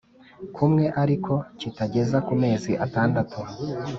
kumwe ariko kitageza ku mezi atandatu